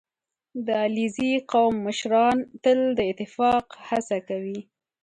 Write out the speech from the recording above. • د علیزي قوم مشران تل د اتفاق هڅه کوي.